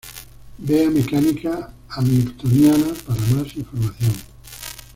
Vea mecánica hamiltoniana para más información.